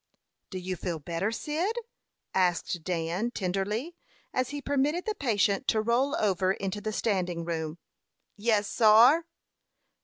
"Do you feel better, Cyd?" asked Dan, tenderly, as he permitted the patient to roll over into the standing room. "Yes, sar!